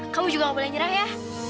kamu juga gak boleh nyerang ya